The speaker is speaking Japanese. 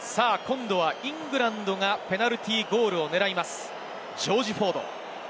イングランドがペナルティーゴールを狙います、ジョージ・フォード。